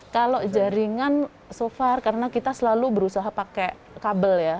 kalau jaringan so far karena kita selalu berusaha pakai kabel ya